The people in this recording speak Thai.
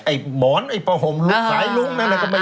ไอ้หมอนไอ้ประหวมหลุมหลายหลุมนั้นก็ไป